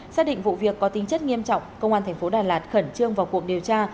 xác định vụ việc có tính chất nghiêm trọng công an thành phố đà lạt khẩn trương vào cuộc điều tra